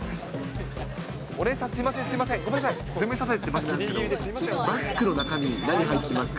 お姉さん、すみません、すみません、ごめんなさい、ズムサタっていう番組なんですけど、バッグの中身、何入ってますか？